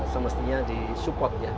semestinya di support ya